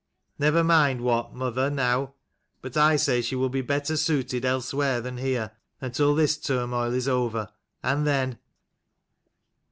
"Never mind what, mother, now: but I say she will be better suited elsewhere than here, until this turmoil is over, and then."